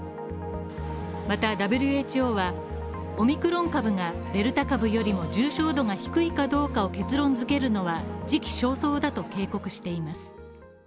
またＷＨＯはオミクロン株がデルタ株よりも重症度が低いかどうかを結論づけるのは時期尚早だと警告しています。